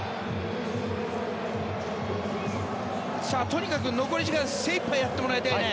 とにかく残り時間精いっぱいやってもらいたいね。